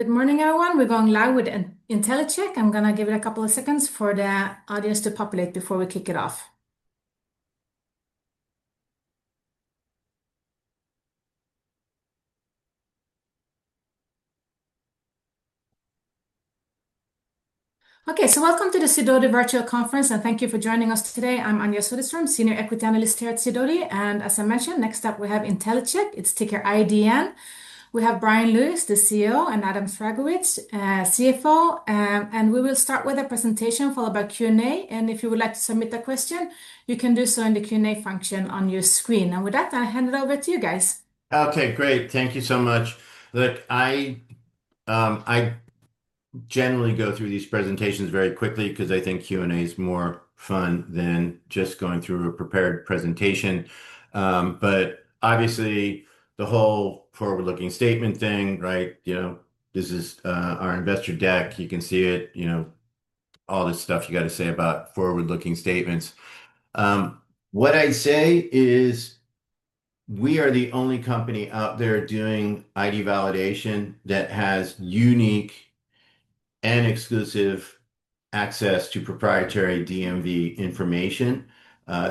Good morning, everyone. We're going live with Intellicheck. I'm going to give it a couple of seconds for the audience to populate before we kick it off. Okay. Welcome to the Sidoti Virtual Conference, and thank you for joining us today. I'm Anja Soderstrom, Senior Equity Analyst here at Sidoti, and as I mentioned, next up we have Intellicheck. It's ticker IDN. We have Bryan Lewis, the CEO, and Adam Sragovicz, CFO. We will start with a presentation, followed by Q&A. If you would like to submit a question, you can do so in the Q&A function on your screen. With that, I'll hand it over to you guys. Okay, great. Thank you so much. I generally go through these presentations very quickly because I think Q&A is more fun than just going through a prepared presentation. Obviously the whole forward-looking statement thing, this is our investor deck. You can see it, all this stuff you got to say about forward-looking statements. What I'd say is we are the only company out there doing ID validation that has unique and exclusive access to proprietary DMV information,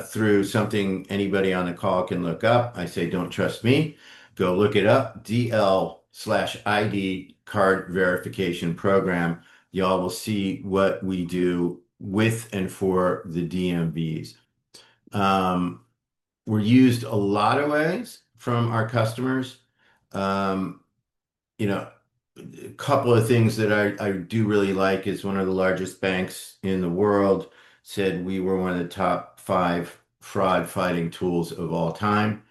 through something anybody on the call can look up. I say, don't trust me. Go look it up. DL/ID Card Verification Program. You all will see what we do with and for the DMVs. We're used a lot of ways from our customers. A couple of things that I do really like is one of the largest banks in the world said we were one of the top five fraud-fighting tools of all time.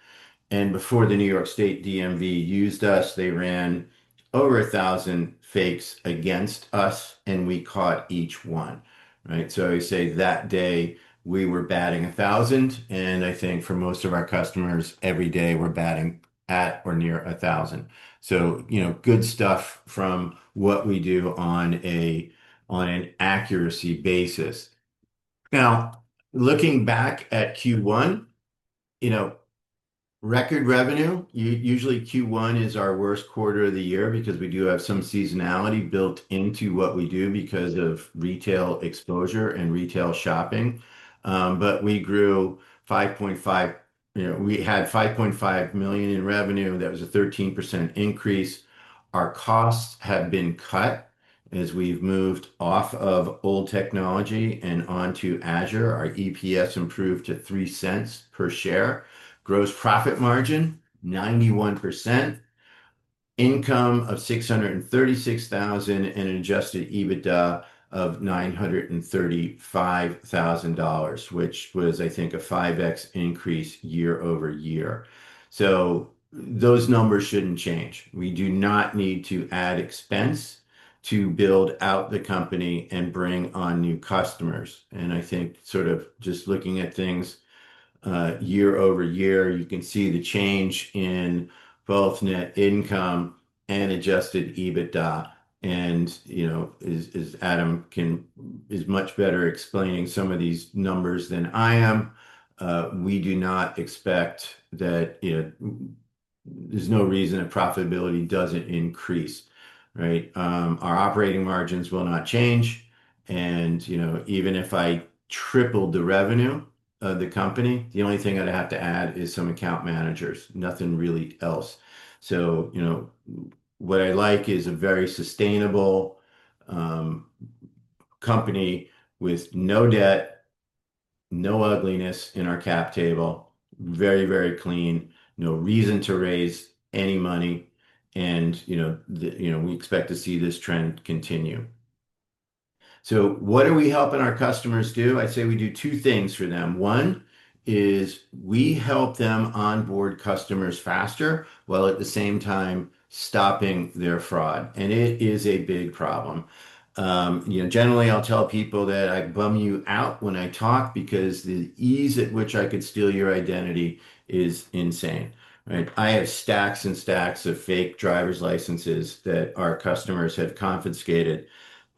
Before the New York State DMV used us, they ran over 1,000 fakes against us, and we caught each one. Right. I say that day we were batting 1,000, and I think for most of our customers, every day we're batting at or near 1,000. Good stuff from what we do on an accuracy basis. Now, looking back at Q1, record revenue. Usually Q1 is our worst quarter of the year because we do have some seasonality built into what we do because of retail exposure and retail shopping. We had $5.5 million in revenue. That was a 13% increase. Our costs have been cut as we've moved off of old technology and onto Azure. Our EPS improved to $0.03 per share. Gross profit margin, 91%. Income of $636,000 and an adjusted EBITDA of $935,000, which was, I think, a 5x increase year-over-year. Those numbers shouldn't change. We do not need to add expense to build out the company and bring on new customers. I think just looking at things, year-over-year, you can see the change in both net income and adjusted EBITDA. Adam is much better explaining some of these numbers than I am. We do not expect there's no reason that profitability doesn't increase. Right? Our operating margins will not change. Even if I tripled the revenue of the company, the only thing I'd have to add is some account managers. Nothing really else. What I like is a very sustainable company with no debt, no ugliness in our cap table, very clean, no reason to raise any money, and we expect to see this trend continue. What are we helping our customers do? I'd say we do two things for them. One is we help them onboard customers faster, while at the same time stopping their fraud. It is a big problem. Generally, I'll tell people that I bum you out when I talk because the ease at which I could steal your identity is insane, right? I have stacks and stacks of fake driver's licenses that our customers have confiscated.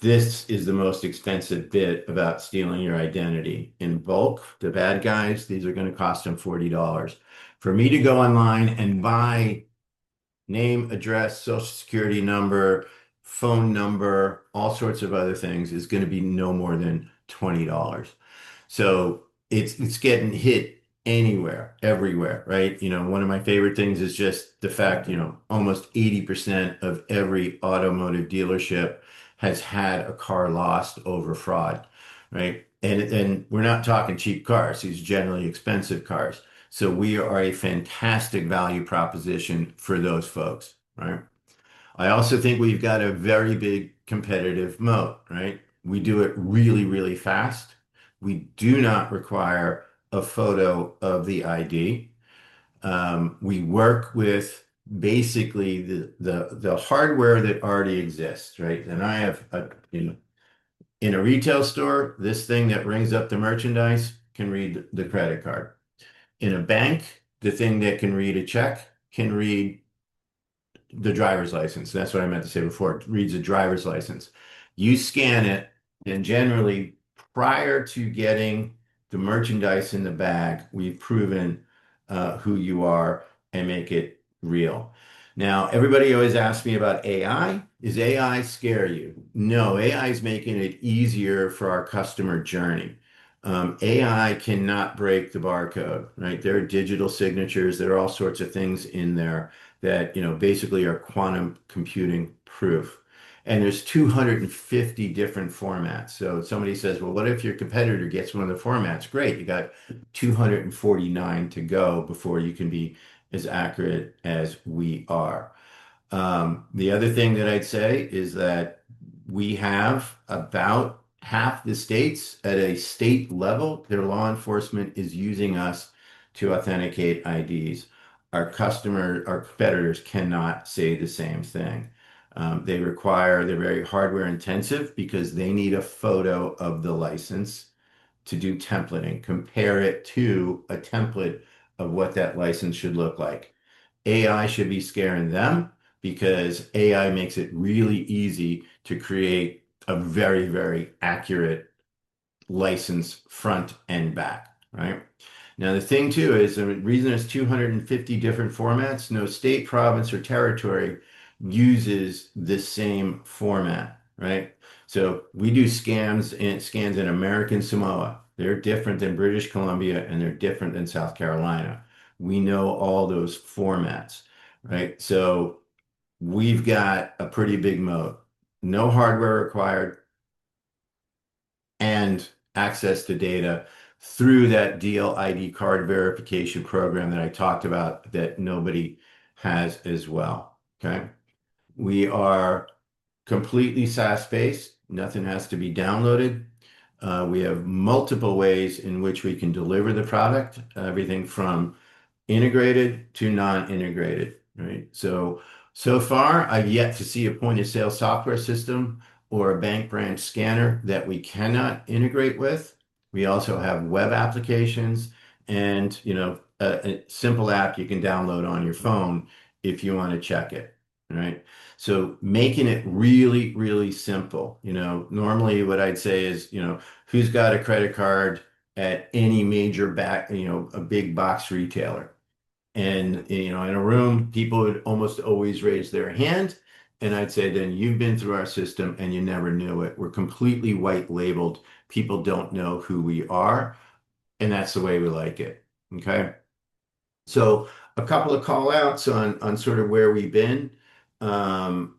This is the most expensive bit about stealing your identity. In bulk, the bad guys, these are going to cost them $40. For me to go online and buy name, address, Social Security number, phone number, all sorts of other things, is going to be no more than $20. It's getting hit anywhere, everywhere, right? One of my favorite things is just the fact almost 80% of every automotive dealership has had a car lost over fraud, right? We're not talking cheap cars. These are generally expensive cars. We are a fantastic value proposition for those folks. Right? I also think we've got a very big competitive moat, right? We do it really fast. We do not require a photo of the ID. We work with basically the hardware that already exists, right? In a retail store, this thing that rings up the merchandise can read the credit card. In a bank, the thing that can read a check can read the driver's license. That's what I meant to say before. It reads a driver's license. You scan it, and generally, prior to getting the merchandise in the bag, we've proven who you are and make it real. Now, everybody always asks me about AI. Does AI scare you? No. AI is making it easier for our customer journey. AI cannot break the barcode. There are digital signatures. There are all sorts of things in there that basically are quantum computing proof. There's 250 different formats. If somebody says, "Well, what if your competitor gets one of the formats?" Great. You got 249 to go before you can be as accurate as we are. The other thing that I'd say is that we have about half the states at a state level, their law enforcement is using us to authenticate IDs. Our competitors cannot say the same thing. They're very hardware intensive because they need a photo of the license to do templating, compare it to a template of what that license should look like. AI should be scaring them because AI makes it really easy to create a very, very accurate license front and back. The thing too is, the reason there's 250 different formats, no state, province, or territory uses the same format. We do scans in American Samoa. They're different than British Columbia, and they're different than South Carolina. We know all those formats. We've got a pretty big moat. No hardware required, and access to data through that DL/ID Card Verification Program that I talked about that nobody has as well. We are completely SaaS-based. Nothing has to be downloaded. We have multiple ways in which we can deliver the product, everything from integrated to non-integrated. Far, I've yet to see a point-of-sale software system or a bank branch scanner that we cannot integrate with. We also have web applications and a simple app you can download on your phone if you want to check it. Making it really, really simple. Normally, what I'd say is, who's got a credit card at any major big box retailer? In a room, people would almost always raise their hand, and I'd say, "Then you've been through our system, and you never knew it." We're completely white labeled. People don't know who we are, and that's the way we like it. A couple of call-outs on sort of where we've been. People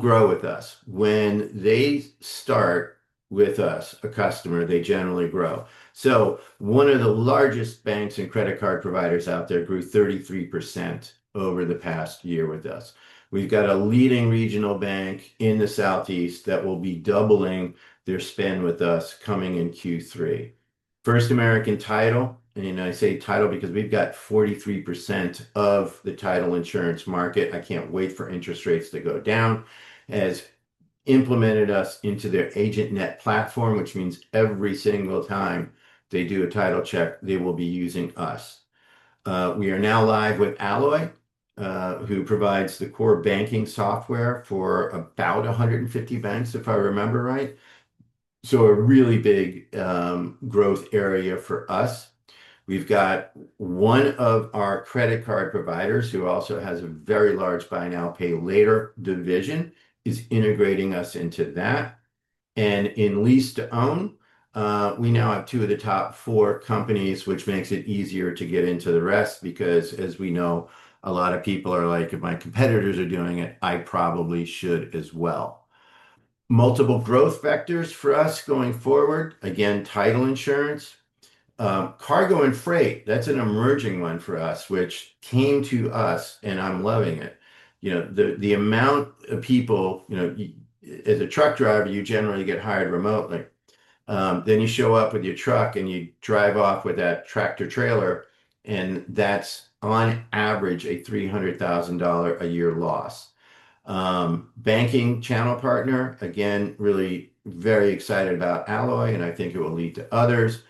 grow with us. When they start with us, a customer, they generally grow. One of the largest banks and credit card providers out there grew 33% over the past year with us. We've got a leading regional bank in the Southeast that will be doubling their spend with us coming in Q3. First American Title, and I say title because we've got 43% of the title insurance market, I can't wait for interest rates to go down, has implemented us into their AgentNet platform, which means every single time they do a title check, they will be using us. We are now live with Alloy, who provides the core banking software for about 150 banks, if I remember right. A really big growth area for us. We've got one of our credit card providers, who also has a very large buy now, pay later division, is integrating us into that. In lease-to-own, we now have two of the top four companies, which makes it easier to get into the rest because, as we know, a lot of people are like, "If my competitors are doing it, I probably should as well." Multiple growth vectors for us going forward. Again, title insurance. Cargo and freight, that's an emerging one for us, which came to us, and I'm loving it. As a truck driver, you generally get hired remotely. You show up with your truck, and you drive off with that tractor trailer, and that's on average a $300,000 a year loss. Banking channel partner, again, really very excited about Alloy, and I think it will lead to others.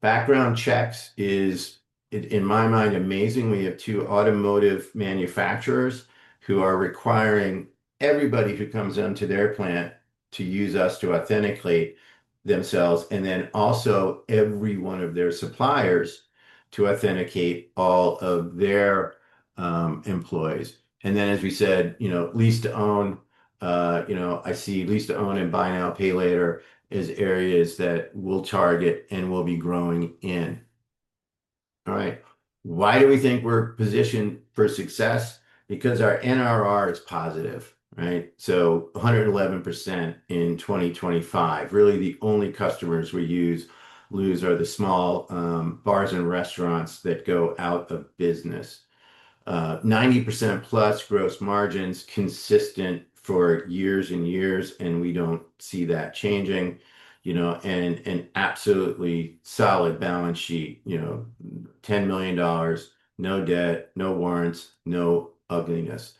Background checks is, in my mind, amazing. We have two automotive manufacturers who are requiring everybody who comes into their plant to use us to authenticate themselves, and then also every 1 of their suppliers to authenticate all of their employees. Then, as we said, lease-to-own. I see lease-to-own and buy now, pay later as areas that we'll target and will be growing in. Why do we think we're positioned for success? Because our NRR is positive. 111% in 2025. Really the only customers we lose are the small bars and restaurants that go out of business. 90% plus gross margins consistent for years and years, and we don't see that changing. An absolutely solid balance sheet. $10 million, no debt, no warrants, no ugliness.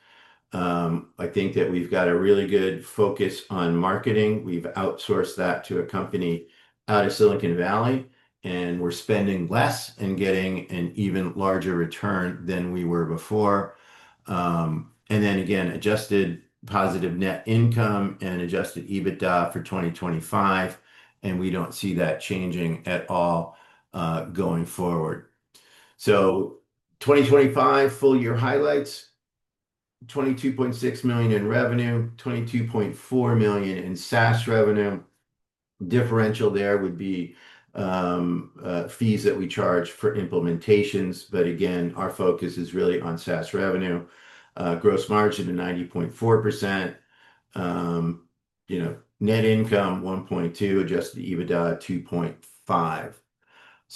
I think that we've got a really good focus on marketing. We've outsourced that to a company out of Silicon Valley, and we're spending less and getting an even larger return than we were before. Then again, adjusted positive net income and adjusted EBITDA for 2025, and we don't see that changing at all going forward. 2025 full year highlights, $22.6 million in revenue, $22.4 million in SaaS revenue. Differential there would be fees that we charge for implementations. Again, our focus is really on SaaS revenue. Gross margin of 90.4%. Net income $1.2 million, adjusted EBITDA $2.5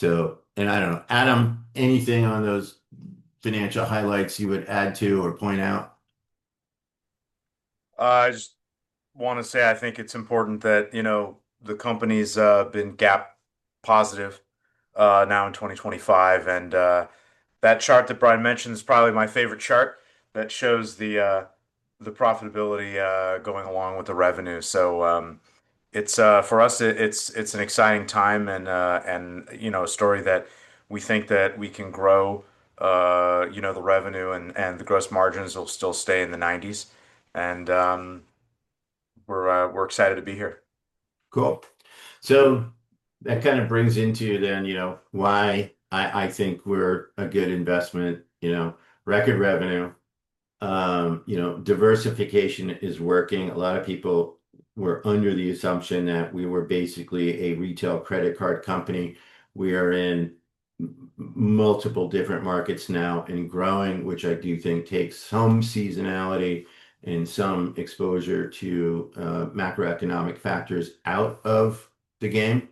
million. I don't know, Adam, anything on those financial highlights you would add to or point out? I just want to say I think it's important that the company's been GAAP positive now in 2025. That chart that Bryan mentioned is probably my favorite chart that shows the profitability going along with the revenue. For us, it's an exciting time and a story that we think that we can grow the revenue, and the gross margins will still stay in the 90s. We're excited to be here. Cool. That kind of brings into why I think we're a good investment. Record revenue. Diversification is working. A lot of people were under the assumption that we were basically a retail credit card company. We are in multiple different markets now and growing, which I do think takes some seasonality and some exposure to macroeconomic factors out of the game.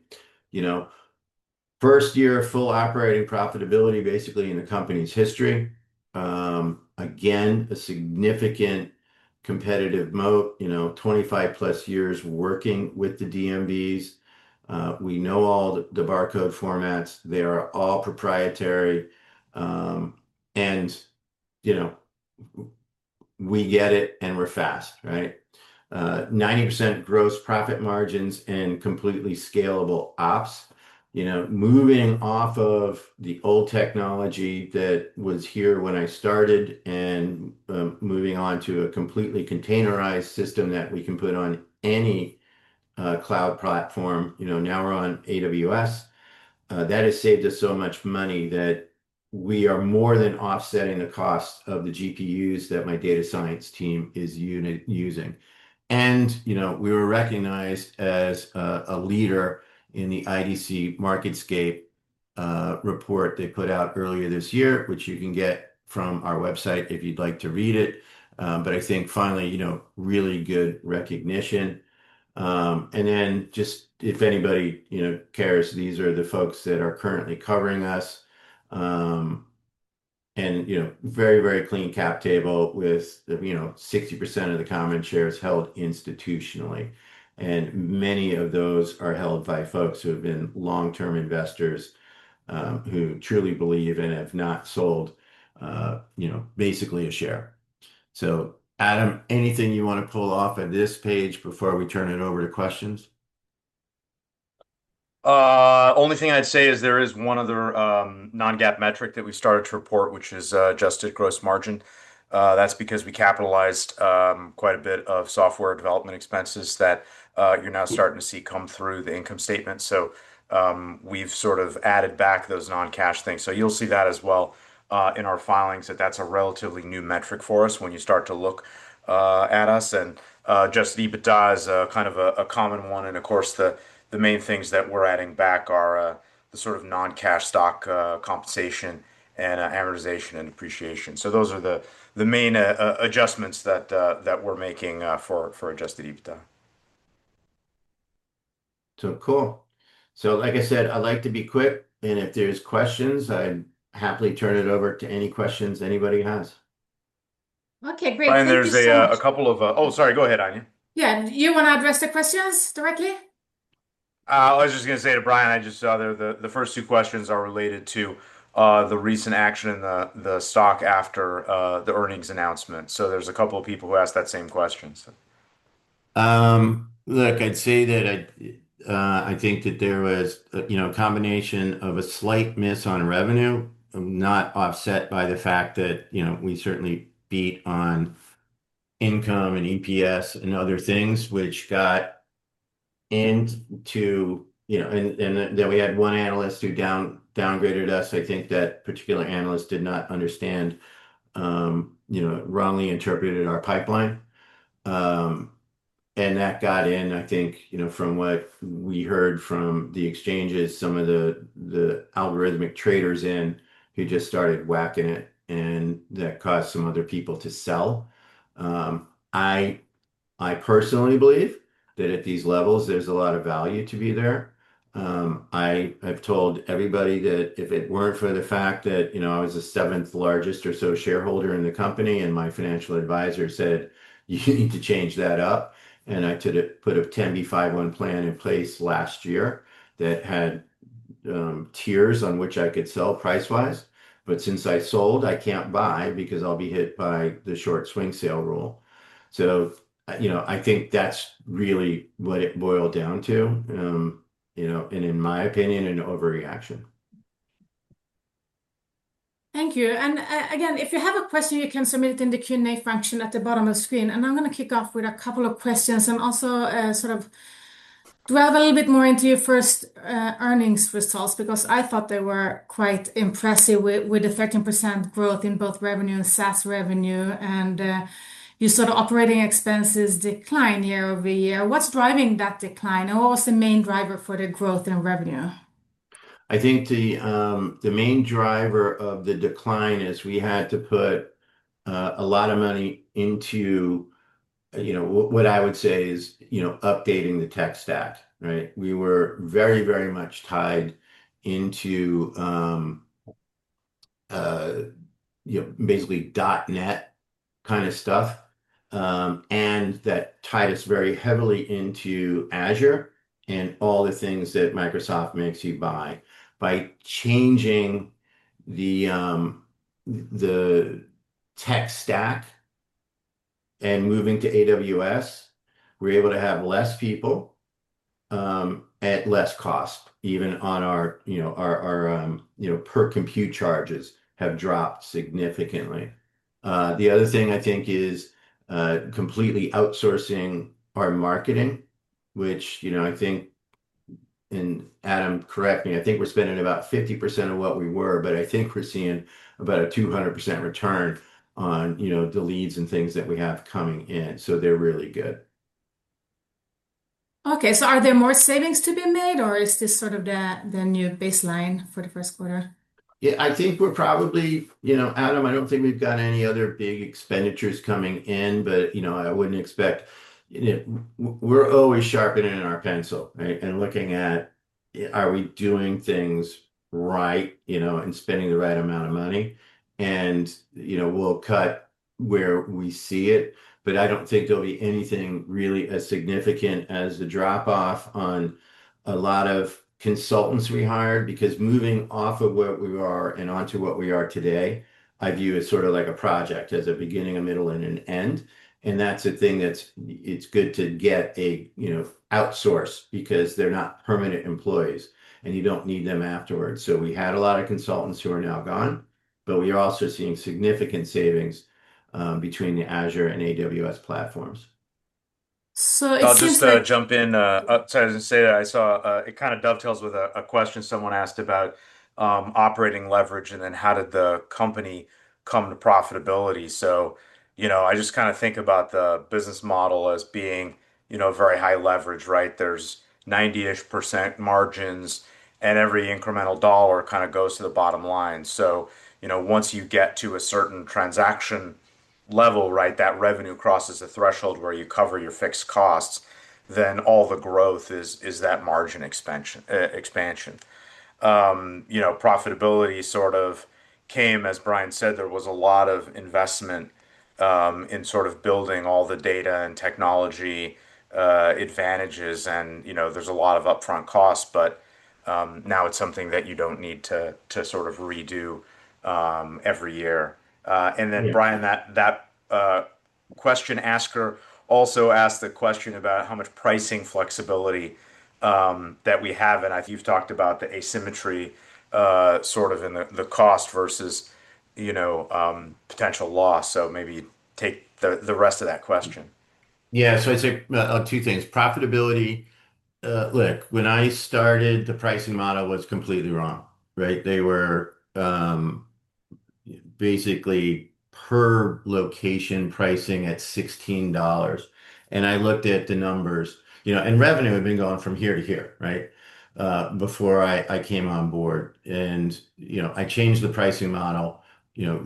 First year of full operating profitability, basically, in the company's history. Again, a significant competitive moat, 25-plus years working with the DMVs. We know all the barcode formats. They are all proprietary. We get it and we're fast, right? 90% gross profit margins and completely scalable ops. Moving off of the old technology that was here when I started and moving on to a completely containerized system that we can put on any cloud platform. Now we're on AWS. That has saved us so much money that we are more than offsetting the cost of the GPUs that my data science team is using. We were recognized as a leader in the IDC MarketScape report they put out earlier this year, which you can get from our website if you'd like to read it. I think finally, really good recognition. Then just if anybody cares, these are the folks that are currently covering us. Very, very clean cap table with 60% of the common shares held institutionally. Many of those are held by folks who have been long-term investors, who truly believe and have not sold basically a share. So Adam, anything you want to pull off of this page before we turn it over to questions? Only thing I'd say is there is one other non-GAAP metric that we started to report, which is adjusted gross margin. That's because we capitalized quite a bit of software development expenses that you're now starting to see come through the income statement. We've sort of added back those non-cash things. You'll see that as well in our filings, that's a relatively new metric for us when you start to look at us. Adjusted EBITDA is kind of a common one, and of course, the main things that we're adding back are the sort of non-cash stock compensation and amortization and depreciation. Those are the main adjustments that we're making for adjusted EBITDA. Cool. Like I said, I like to be quick, and if there's questions, I'd happily turn it over to any questions anybody has. Okay, great. Thank you. Bryan, there's a couple of Oh, sorry. Go ahead, Anja. Do you want to address the questions directly? I was just going to say to Bryan, I just saw the first two questions are related to the recent action in the stock after the earnings announcement. There's a couple of people who asked that same question. Look, I'd say that I think that there was a combination of a slight miss on revenue, not offset by the fact that we certainly beat on income and EPS and other things. We had one analyst who downgraded us. I think that particular analyst did not understand, wrongly interpreted our pipeline. That got in, I think from what we heard from the exchanges, some of the algorithmic traders in, who just started whacking it, and that caused some other people to sell. I personally believe that at these levels, there's a lot of value to be there. I've told everybody that if it weren't for the fact that I was the seventh largest or so shareholder in the company and my financial advisor said, "You need to change that up." I put a 10b5-1 plan in place last year that had tiers on which I could sell price-wise. Since I sold, I can't buy because I'll be hit by the short swing sale rule. I think that's really what it boiled down to. In my opinion, an overreaction. Thank you. Again, if you have a question, you can submit it in the Q&A function at the bottom of screen. I'm going to kick off with a couple of questions and also sort of to delve a little bit more into your first earnings results, because I thought they were quite impressive with a 13% growth in both revenue and SaaS revenue. You saw the operating expenses decline year-over-year. What's driving that decline, and what was the main driver for the growth in revenue? I think the main driver of the decline is we had to put a lot of money into what I would say is updating the tech stack. We were very much tied into basically .NET kind of stuff, and that tied us very heavily into Azure and all the things that Microsoft makes you buy. By changing the tech stack and moving to AWS, we're able to have less people at less cost, even on our per compute charges have dropped significantly. The other thing I think is completely outsourcing our marketing, which I think, and Adam, correct me, I think we're spending about 50% of what we were, but I think we're seeing about a 200% return on the leads and things that we have coming in. They're really good. Okay. Are there more savings to be made, or is this sort of the new baseline for the first quarter? Yeah, I think we're probably, Adam Sragovicz, I don't think we've got any other big expenditures coming in. We're always sharpening our pencil, and looking at are we doing things right, and spending the right amount of money, and we'll cut where we see it, but I don't think there'll be anything really as significant as the drop-off on a lot of consultants we hired because moving off of what we were and onto what we are today, I view as sort of like a project, has a beginning, a middle, and an end. That's a thing that's good to get outsourced because they're not permanent employees, and you don't need them afterwards. We had a lot of consultants who are now gone, but we are also seeing significant savings between the Azure and AWS platforms. So it seems like- I'll just jump in. Sorry, I was going to say that I saw it kind of dovetails with a question someone asked about operating leverage, and then how did the company come to profitability. I just think about the business model as being very high leverage, right? There's 90%-ish margins, and every incremental $1 kind of goes to the bottom line. Once you get to a certain transaction level that revenue crosses a threshold where you cover your fixed costs, then all the growth is that margin expansion. Profitability sort of came, as Bryan said, there was a lot of investment in sort of building all the data and technology advantages and there's a lot of upfront costs, but now it's something that you don't need to sort of redo every year. Bryan, that question asker also asked the question about how much pricing flexibility that we have, and you've talked about the asymmetry sort of in the cost versus potential loss. Maybe take the rest of that question. Yeah. I'd say two things. Profitability. Look, when I started, the pricing model was completely wrong. They were basically per location pricing at $16. I looked at the numbers, and revenue had been going from here to here before I came on board, and I changed the pricing model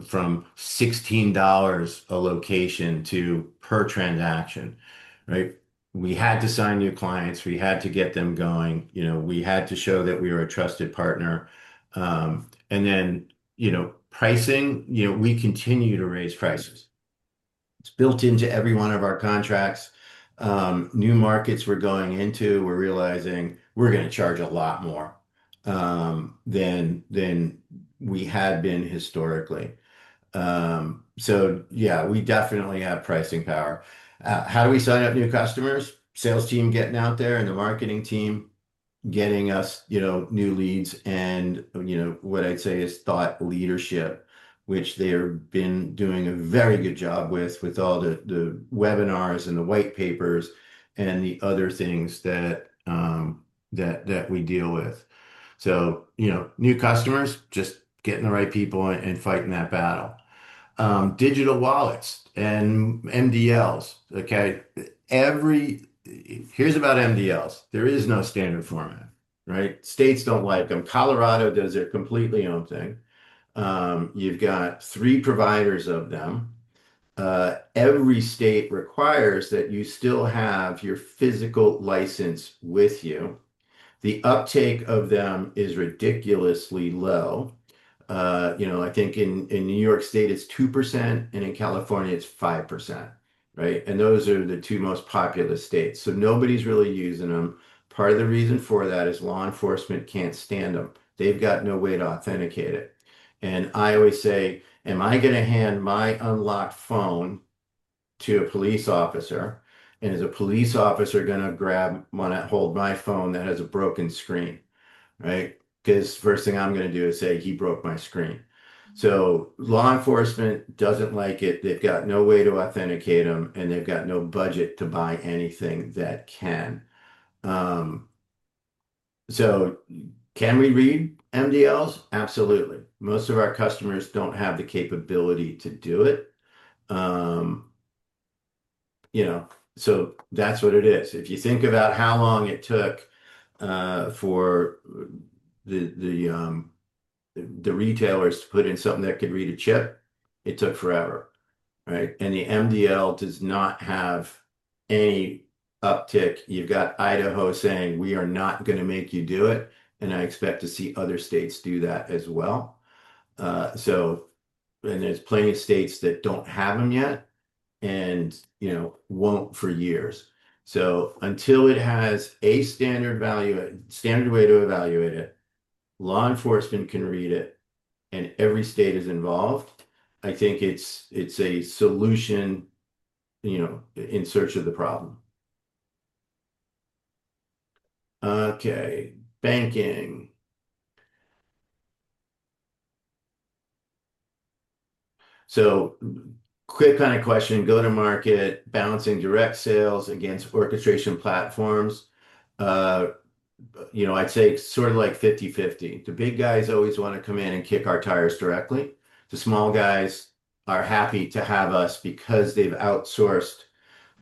from $16 a location to per transaction. We had to sign new clients. We had to get them going. We had to show that we were a trusted partner. Pricing, we continue to raise prices. It's built into every one of our contracts. New markets we're going into, we're realizing we're going to charge a lot more than we had been historically. Yeah, we definitely have pricing power. How do we sign up new customers? Sales team getting out there and the marketing team getting us new leads and what I'd say is thought leadership, which they have been doing a very good job with all the webinars and the white papers and the other things that we deal with. New customers, just getting the right people and fighting that battle. Digital wallets and MDLs. Here's about MDLs. There is no standard format. States don't like them. Colorado does their completely own thing. You've got three providers of them. Every state requires that you still have your physical license with you. The uptake of them is ridiculously low. I think in New York State it's two percent, and in California it's five percent. Those are the two most populous states. Nobody's really using them. Part of the reason for that is law enforcement can't stand them. They've got no way to authenticate it. I always say, "Am I going to hand my unlocked phone to a police officer? Is a police officer going to want to hold my phone that has a broken screen?" Because first thing I'm going to do is say, "He broke my screen." Law enforcement doesn't like it. They've got no way to authenticate them, and they've got no budget to buy anything that can. Can we read MDLs? Absolutely. Most of our customers don't have the capability to do it. That's what it is. If you think about how long it took for the retailers to put in something that could read a chip, it took forever, right? The MDL does not have any uptick. You've got Idaho saying, "We are not going to make you do it," and I expect to see other states do that as well. There's plenty of states that don't have them yet and won't for years. Until it has a standard way to evaluate it, law enforcement can read it, and every state is involved, I think it's a solution in search of the problem. Okay. Banking. Quick kind of question. Go to market, balancing direct sales against orchestration platforms. I'd say sort of like 50/50. The big guys always want to come in and kick our tires directly. The small guys are happy to have us because they've outsourced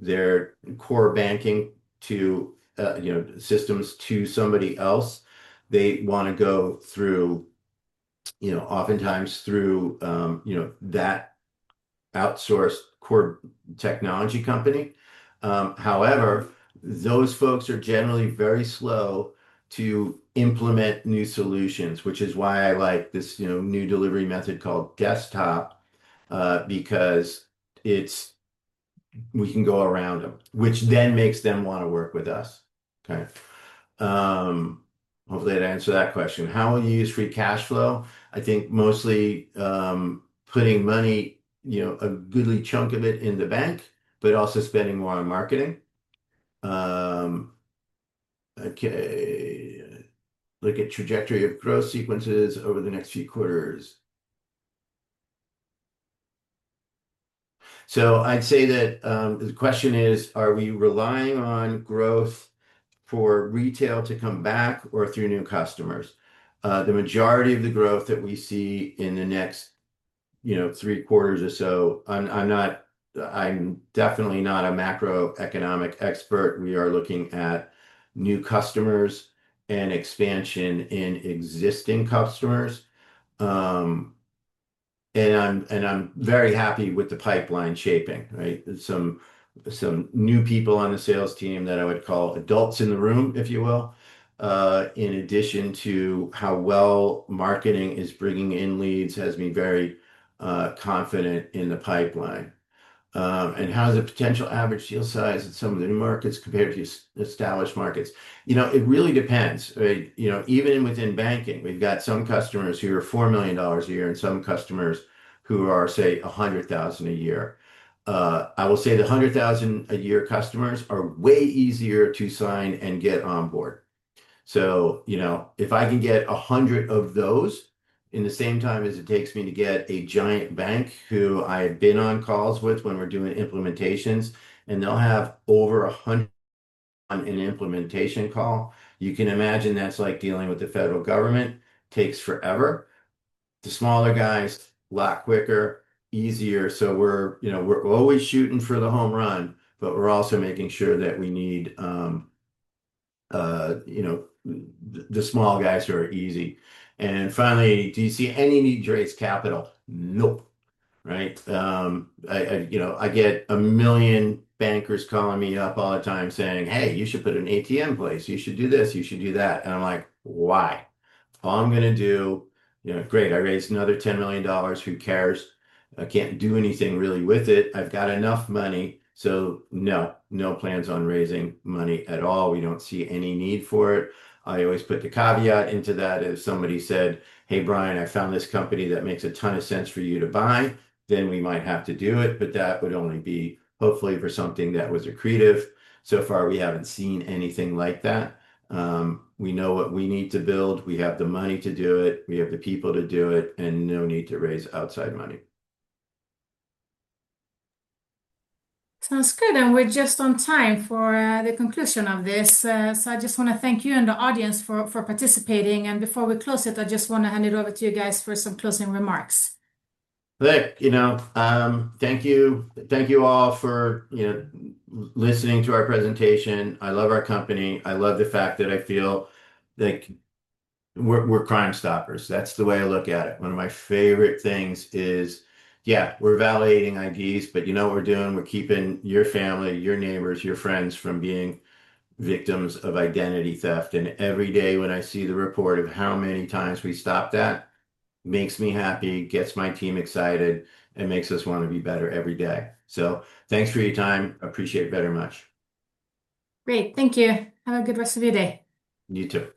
their core banking systems to somebody else. They want to oftentimes go through that outsourced core technology company. However, those folks are generally very slow to implement new solutions, which is why I like this new delivery method called desktop, because we can go around them, which then makes them want to work with us. Okay. Hopefully, that answered that question. How will you use free cash flow? I think mostly putting a goodly chunk of it in the bank, but also spending more on marketing. Okay. Look at trajectory of growth sequences over the next few quarters. I'd say that the question is, are we relying on growth for retail to come back or through new customers? The majority of the growth that we see in the next Q3 or so, I'm definitely not a macroeconomic expert. We are looking at new customers and expansion in existing customers. I'm very happy with the pipeline shaping, right? Some new people on the sales team that I would call adults in the room, if you will, in addition to how well marketing is bringing in leads, has me very confident in the pipeline. How is the potential average deal size in some of the new markets compared to established markets? It really depends. Even within banking, we've got some customers who are $4 million a year and some customers who are, say, $100,000 a year. I will say the $100,000 a year customers are way easier to sign and get on board. If I can get 100 of those in the same time as it takes me to get a giant bank who I've been on calls with when we're doing implementations, and they'll have over 100 on an implementation call. You can imagine that's like dealing with the federal government. Takes forever. The smaller guys, a lot quicker, easier. We're always shooting for the home run, but we're also making sure that we need the small guys who are easy. Finally, do you see any need to raise capital? Nope. Right? I get 1 million bankers calling me up all the time saying, "Hey, you should put an ATM in place. You should do this. You should do that." I'm like, "Why?" All I'm going to do Great, I raised another $10 million. Who cares? I can't do anything really with it. I've got enough money. No. No plans on raising money at all. We don't see any need for it. I always put the caveat into that. If somebody said, "Hey, Bryan, I found this company that makes a ton of sense for you to buy," then we might have to do it, but that would only be hopefully for something that was accretive. So far, we haven't seen anything like that. We know what we need to build. We have the money to do it. We have the people to do it. No need to raise outside money. Sounds good. We're just on time for the conclusion of this. I just want to thank you and the audience for participating. Before we close it, I just want to hand it over to you guys for some closing remarks. Thank you all for listening to our presentation. I love our company. I love the fact that I feel like we're crime stoppers. That's the way I look at it. One of my favorite things is, yeah, we're validating IDs, but you know what we're doing? We're keeping your family, your neighbors, your friends from being victims of identity theft. Every day when I see the report of how many times we stop that, makes me happy, gets my team excited, and makes us want to be better every day. Thanks for your time. Appreciate it very much. Great. Thank you. Have a good rest of your day. You too.